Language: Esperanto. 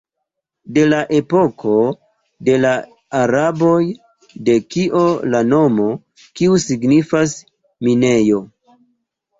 De la epoko de la araboj, de kio la nomo kiu signifas "minejo".